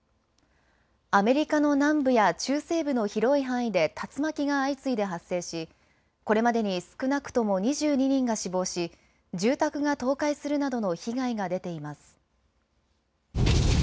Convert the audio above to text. アメリカの南部や中西部の広い範囲で竜巻が相次いで発生しこれまでに少なくとも２２人が死亡し住宅が倒壊するなどの被害が出ています。